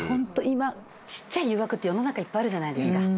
今ちっちゃい誘惑って世の中いっぱいあるじゃないですか。